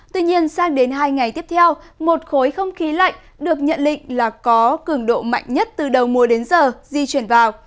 tuy nhiên sang đến hai ngày tiếp theo một khối không khí lạnh được nhận định là có cường độ mạnh nhất từ đầu mùa đến giờ di chuyển vào